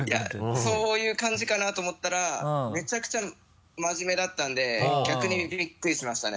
そういう感じかなと思ったらめちゃくちゃ真面目だったんで逆にびっくりしましたね。